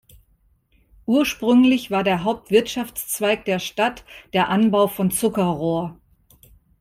Ursprünglich war der Hauptwirtschaftszweig der Stadt der Anbau von Zuckerrohr.